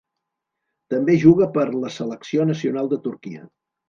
També juga per la selecció nacional de Turquia.